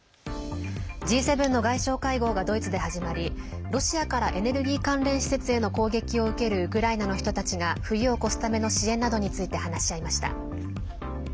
Ｇ７の外相会合がドイツで始まりロシアからエネルギー関連施設への攻撃を受けるウクライナの人たちが冬を越すための支援などについて話し合いました。